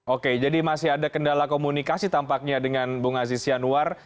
oke jadi masih ada kendala komunikasi tampaknya dengan bung aziz yanuar